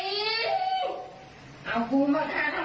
พี่ลาปากไหมพี่จะไม่จับปลาแล้ว